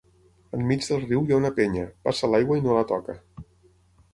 Enmig del riu hi ha una penya, passa l’aigua i no la toca;